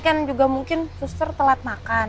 kan juga mungkin suster telat makan